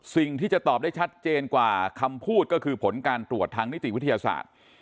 สิ่งที่จะตอบได้ชัดเจนกว่าคำพูดก็คือผลการตรวจทางนิติวิทยาศาสตร์